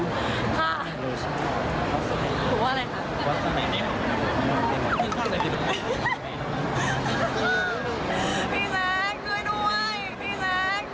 หูว่าอะไรคะ